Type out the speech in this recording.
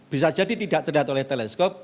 bisa jadi tidak terlihat oleh teleskop